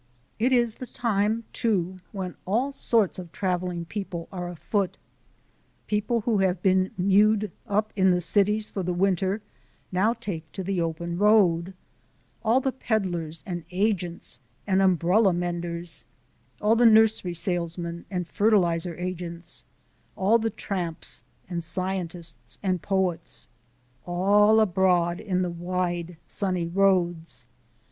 It is the time, too, when all sorts of travelling people are afoot. People who have been mewed up in the cities for the winter now take to the open road all the peddlers and agents and umbrella menders, all the nursery salesmen and fertilizer agents, all the tramps and scientists and poets all abroad in the wide sunny roads.